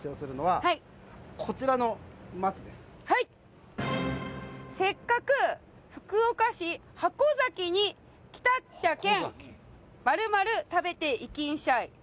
はいはいっ「せっかく福岡市箱崎に来たっちゃけん」「○○食べていきんしゃい」